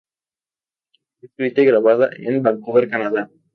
Fue escrita y grabada en Vancouver, Canadá.